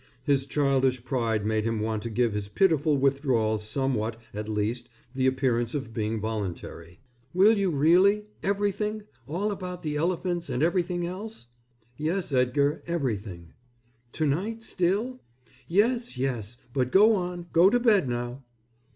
His childish pride made him want to give his pitiful withdrawal somewhat, at least, the appearance of being voluntary. "Will you really? Everything? All about the elephants and everything else?" "Yes, Edgar, everything." "To night still?" "Yes, yes. But go on, go to bed now."